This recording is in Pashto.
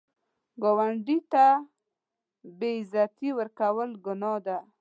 ګاونډي ته بې عزتي ورکول ګناه ده